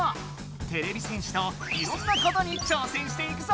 てれび戦士といろんなことに挑戦していくぞ！